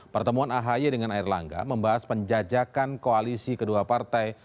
pertemuan ahy dengan air langga membahas penjajakan koalisi kedua partai